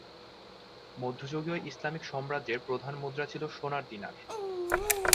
মধ্যযুগীয় ইসলামিক সম্রাজ্যের প্রধান মুদ্রা ছিলো সোনার দিনার।